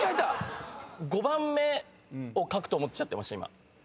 ５番目を書くと思っちゃってました今。